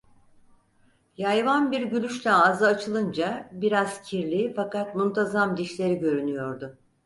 Yayvan bir gülüşle ağzı açılınca biraz kirli fakat muntazam dişleri görünüyordu.